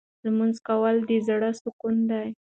لمونځ کول د زړه سکون دی.